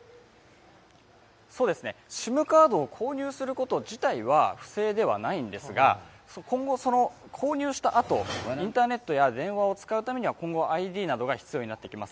ＳＩＭカードを購入すること自体は不正ではないんですが、今後、購入した後、インターネットや電話を使うためにはＩＤが必要になってきます。